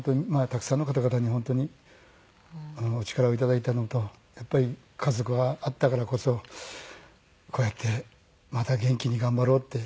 たくさんの方々に本当にお力を頂いたのとやっぱり家族があったからこそこうやってまた元気に頑張ろうって。